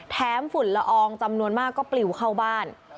ฝุ่นละอองจำนวนมากก็ปลิวเข้าบ้าน